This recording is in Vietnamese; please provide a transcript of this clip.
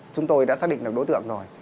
chúng tôi đã xác định được đối tượng rồi